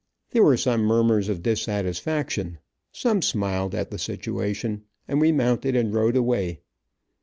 There were some murmurs of dissatisfaction, some smiled at the situation, and we mounted and rode away.